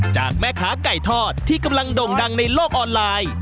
จากแม่ค้าไก่ทอดที่กำลังด่งดังในโลกออนไลน์